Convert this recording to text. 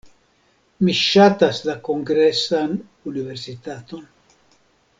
Mi ŝatas la Kongresan Universitaton.